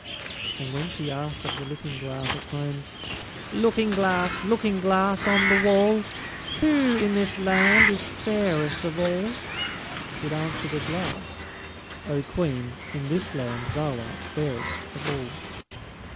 And when she asked of the Looking glass at home: "Looking glass, Looking glass, on the wall, Who in this land is fairest of all?" it answered at last: "O Queen, in this land thou art fairest of all."